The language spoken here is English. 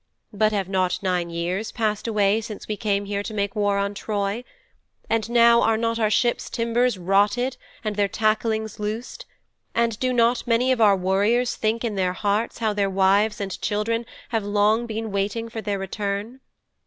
But have not nine years passed away since we came here to make war on Troy? And now are not our ships' timbers rotted and their tacklings loosed, and do not many of our warriors think in their hearts how their wives and children have long been waiting for their return?